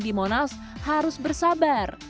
di monas harus bersabar